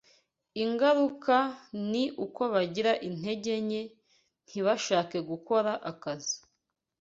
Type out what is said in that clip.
Ingaruka ni uko bagira intege nke ntibabashe gukora akazi